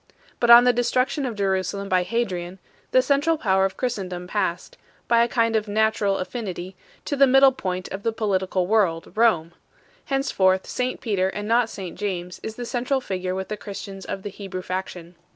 But on the destruction of Jerusalem by Hadrian, the central power of Christendom passed, by a kind of natural affinity, to the middle point of the political world, Rome; henceforth, St Peter and not St James is the central figure with the Christians of the Hebrew fac tion.